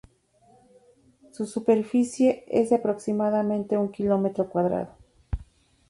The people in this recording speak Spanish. Su superficie es de aproximadamente un kilómetro cuadrado.